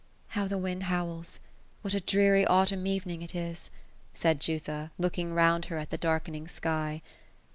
" How the wind howls 1 What a dreary autumn evening it is !" said Jutha, looking round her at the darkening sky.